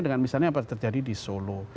dengan misalnya apa yang terjadi di solo